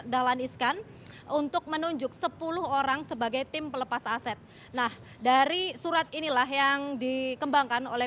dahlan iskan untuk menunjuk sepuluh orang sebagai tim pelepas aset nah dari surat inilah yang dikembangkan oleh